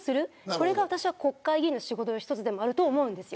これが私は国会議員の仕事の一つでもあると思います。